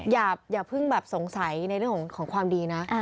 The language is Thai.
อย่าเพิ่งแบบสงสัยในเรื่องของความดีนะ